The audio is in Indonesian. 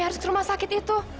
harus ke rumah sakit itu